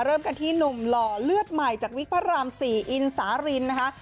เริ่มกันที่หนุ่มหล่อเลือดใหม่จากวิกพระราม๔อินสารินนะคะ